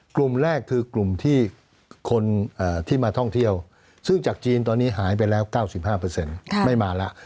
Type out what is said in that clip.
กลุ่มแรกคือกลุ่มที่คนที่มาท่องเที่ยวซึ่งจากจีนตอนนี้หายไปแล้ว๙๕ไม่มาแล้ว